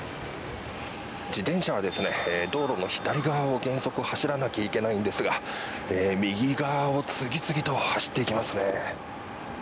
自転車は道路の左側を原則走らなければいけないのですが右側を次々と走っていきますね。